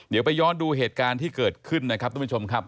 เดี๋ยวไปย้อนดูเหตุการณ์ที่เกิดขึ้นนะครับทุกผู้ชมครับ